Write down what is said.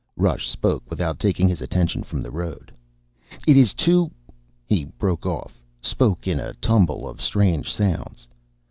Rush spoke without taking his attention from the road. "It is too ..." He broke off, spoke in a tumble of strange sounds.